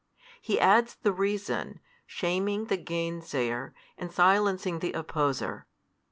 He adds the reason, shaming the gainsayer, and silencing the opposer.